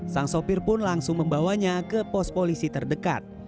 sang sopir pun langsung membawanya ke pos polisi terdekat